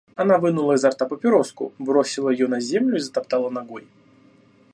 Она вынула изо рта папироску, бросила её на землю и затоптала ногой.